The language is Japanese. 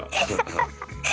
ハハハ！